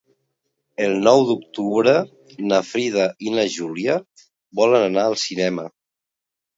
El nou d'octubre na Frida i na Júlia volen anar al cinema.